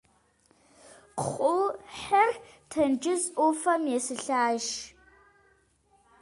Кхъухьыр тенджыз ӏуфэм есылӏащ.